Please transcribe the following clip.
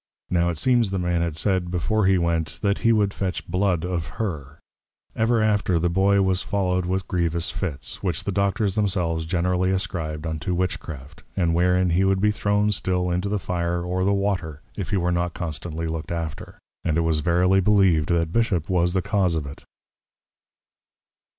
_ Now it seems the Man had said, before he went, That he would fetch Blood of her. Ever after the Boy was follow'd with grievous Fits, which the Doctors themselves generally ascribed unto Witchcraft; and wherein he would be thrown still into the Fire or the Water, if he were not constantly look'd after; and it was verily believed that Bishop was the cause of it.